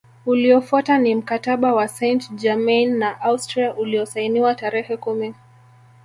Uliofuata ni Mkataba wa Sant Germain na Austria uliosainiwa tarehe kumi